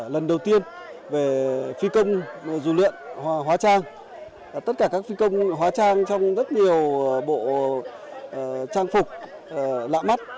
lần đầu tiên về phi công dù luyện hóa trang tất cả các phi công hóa trang trong rất nhiều bộ trang phục lạ mắt